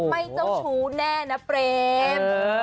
ไม่เจ้าชูเน่นะเบรม